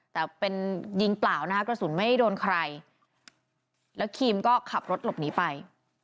แต่เป็นยิงเปล่านะคะกระสุนไม่โดนใครแล้วครีมก็ขับรถหลบหนีไป